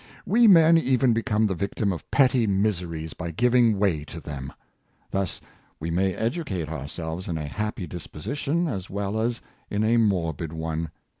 We men even become the victim of petty miseries by giving way to them. Thus, we may edu cate ourselves in a happy disposition, as well as in a morbid one.